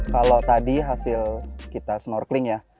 kalau tadi hasil kita snorkeling ya